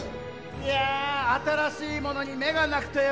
いや新しいものに目がなくてよ